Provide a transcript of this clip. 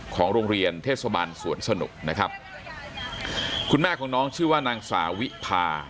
ของโรงเรียนเทศบาลสวนสนุกนะครับคุณแม่ของน้องชื่อว่านางสาวิพา